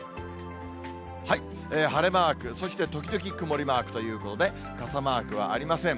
晴れマーク、そして時々曇りマークということで、傘マークはありません。